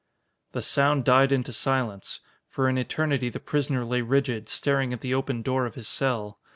"The sound died into silence. For an eternity, the prisoner lay rigid, staring at the open door of his cell.